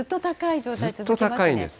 ずっと高いんです。